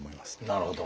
なるほど。